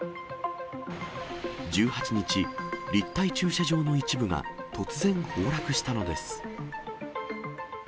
１８日、立体駐車場の一部が突然、崩落したのです。